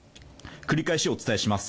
繰り返しお伝えします。